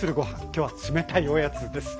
今日は冷たいおやつです。